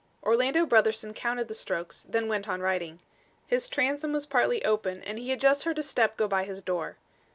Orlando Brotherson counted the strokes; then went on writing. His transom was partly open and he had just heard a step go by his door.